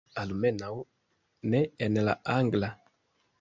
Almenaŭ ne en la angla